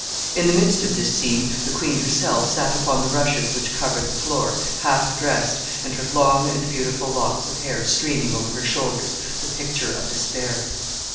In the midst of this scene, the queen herself sat upon the rushes which covered the floor, half dressed, and her long and beautiful locks of hair streaming over her shoulders, the picture of despair.